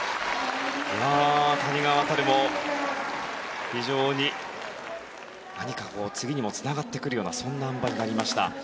谷川航も非常に何か次にもつながってくるようなそんなあん馬になりました。